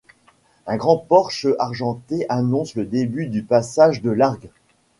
Un grand porche argenté annonce le début du passage de l'Argue.